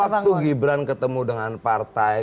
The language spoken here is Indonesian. waktu gibran ketemu dengan partai